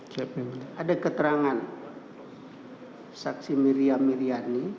saksi miriam miriani